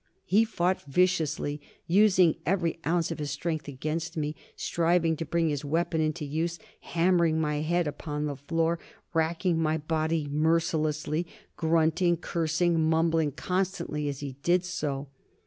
He fought viciously, using every ounce of his strength against me, striving to bring his weapon into use, hammering my head upon the floor, racking my body mercilessly, grunting, cursing, mumbling constantly as he did so.